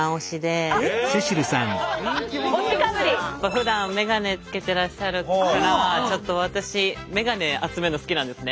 ふだんメガネつけてらっしゃるからちょっと私メガネ集めるの好きなんですね。